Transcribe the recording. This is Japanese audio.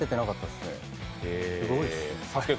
すごいですね。